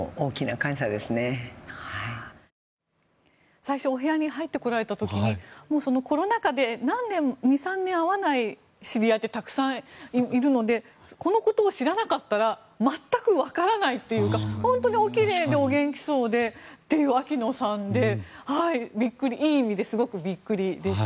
最初お部屋に入ってこられた時にコロナ禍で２３年会わない知り合いってたくさんいるのでこのことを知らなかったら全くわからないというか本当にお奇麗でお元気そうでという秋野さんでいい意味ですごくびっくりでした。